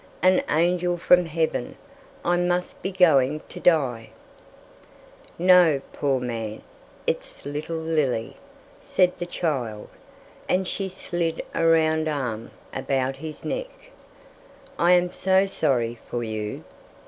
"An angel from heaven; I must be going to die." "No, poor man, it's little Lily," said the child, and she slid a round arm about his neck. "I am so sorry for you!"